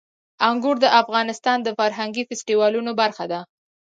انګور د افغانستان د فرهنګي فستیوالونو برخه ده.